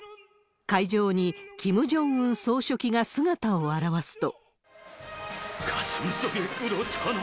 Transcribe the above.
会場にキム・ジョンウン総書記が姿を現すと。